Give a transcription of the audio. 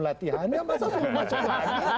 latihan ya pasal semua macam